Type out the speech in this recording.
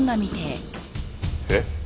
えっ？